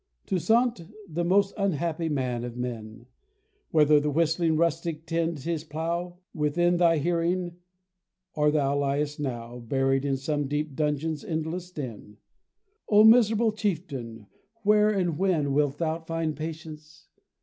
Toussaint, the most unhappy man of men! Whether the whistling rustic tend his plough Within thy hearing, or thou liest now Buried in some deep dungeon's earless den, O miserable chieftain! where and when Wilt thou find patience?